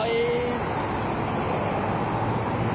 เอง